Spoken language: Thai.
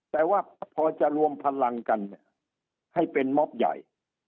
แต่ว่าพอจะรวมพลังกันเนี่ยให้เป็นม็อบใหญ่